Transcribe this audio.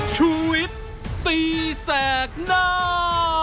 ชูเวทตีแสงหน้า